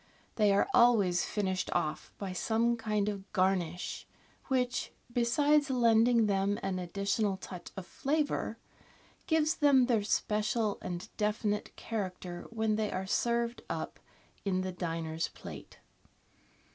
They are always finished off by some kind of garnish, which, besides lending them an additional touch of flavour, gives them their special and definite character when they are served up in the diner's plate.